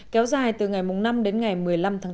kéo dài từ ngày năm đến ngày một mươi năm tháng bốn